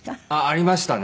ありましたね。